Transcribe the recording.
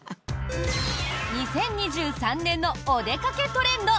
２０２３年のおでかけトレンド！